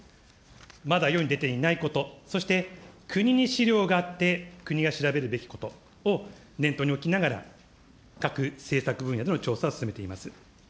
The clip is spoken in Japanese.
まだ世に出ていないこと、そして国に資料があって国が調べるべきことを念頭に置きながら、各政策分野での調査を進めています。